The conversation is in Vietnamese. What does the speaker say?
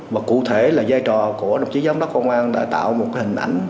và cụ thể là giai trò của đồng chí giám đốc công an đã tạo một hình ảnh